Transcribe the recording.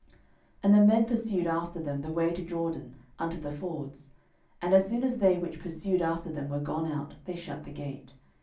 06:002:007 And the men pursued after them the way to Jordan unto the fords: and as soon as they which pursued after them were gone out, they shut the gate.